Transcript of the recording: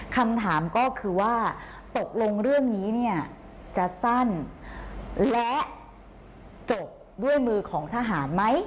คำถามก็คือว่าตกลงเรื่องนี้เนี่ยจะสั้นและจบด้วยมือของทหารไหม